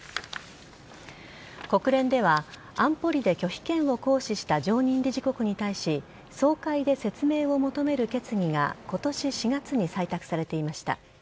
国連では安保理で拒否権を行使した常任理事国に対し総会で説明を求める決議が今年４月に採択されていました。